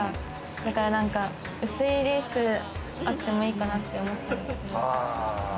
だから薄いレースあってもいいかなって思って。